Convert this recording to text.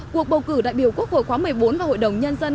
cuộc bầu cử đại biểu quốc hội khóa một mươi bốn và hội đồng nhân dân